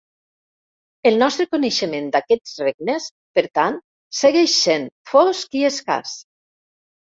El nostre coneixement d'aquests regnes, per tant, segueix sent fosc i escàs.